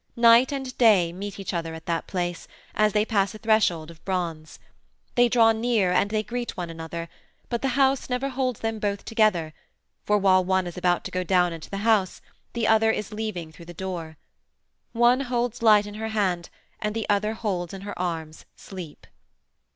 Night and Day meet each other at that place, as they pass a threshold of bronze. They draw near and they greet one another, but the house never holds them both together, for while one is about to go down into the house, the other is leaving through the door. One holds Light in her hand and the other holds in her arms Sleep.